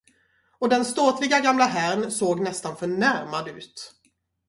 Och den ståtliga gamla herrn såg nästan förnärmad ut.